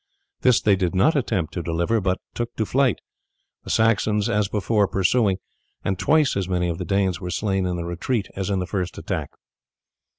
This they did not attempt to deliver, but took to flight, the Saxons, as before, pursuing, and twice as many of the Danes were slain in the retreat as in the first attack.